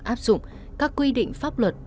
áp dụng các quy định pháp luật